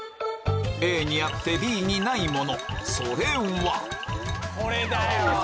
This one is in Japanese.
ＡにあってＢにないもの